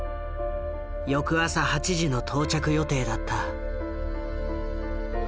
翌朝８時の到着予定だった。